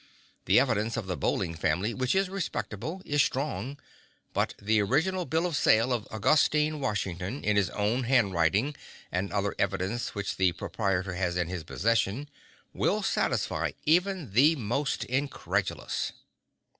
The evidence of the Bowling family, which is respectable, is strong, but the original bill of sale of Augustine Washington, in his own handwriting, and other evidences which the proprietor has in his possession, will satisfy even the most incredulous.